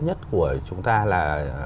nhất của chúng ta là